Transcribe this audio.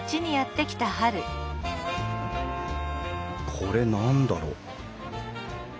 これ何だろう？